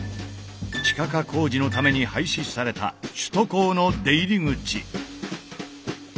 地下化工事のために廃止された首都高の出入り口。